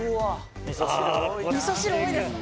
多いあ味噌汁多いですね